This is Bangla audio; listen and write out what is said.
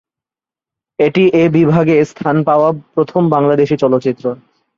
এটি এ বিভাগে স্থান পাওয়া প্রথম বাংলাদেশী চলচ্চিত্র।